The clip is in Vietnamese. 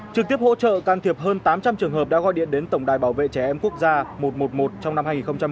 trực tiếp hỗ trợ can thiệp hơn tám trăm linh trường hợp đã gọi điện đến tổng đài bảo vệ trẻ em quốc gia một trăm một mươi một trong năm hai nghìn một mươi chín